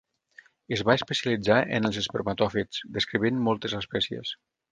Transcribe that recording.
Es va especialitzar en els espermatòfits, descrivint moltes espècies.